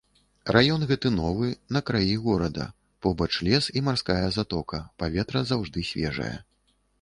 Раён гэты новы, на краі горада, побач лес і марская затока, паветра заўжды свежае.